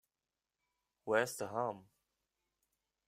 Where's the harm?